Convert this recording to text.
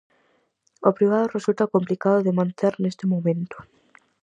O privado resulta complicado de manter neste momento.